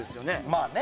まあね。